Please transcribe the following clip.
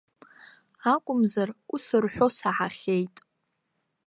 Акәымзар, ус рҳәо саҳахьеит.